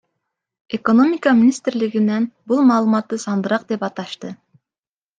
Экономика министрлигинен бул маалыматты сандырак деп аташты.